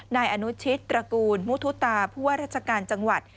นายอนุชิตตระกูลมุทุตาผู้ว่าราชการจังหวัด